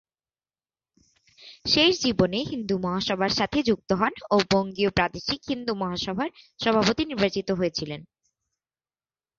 শেষ জীবনে হিন্দু মহাসভার সাথে যুক্ত হন ও বঙ্গীয় প্রাদেশিক হিন্দু মহাসভার সভাপতি নির্বাচিত হয়েছিলেন।